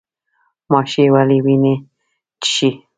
ماشی ولې وینه څښي؟